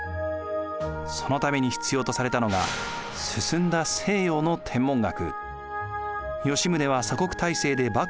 そのために必要とされたのが進んだ西洋の天文学。